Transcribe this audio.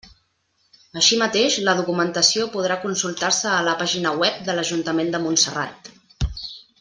Així mateix, la documentació podrà consultar-se a la pàgina web de l'Ajuntament de Montserrat.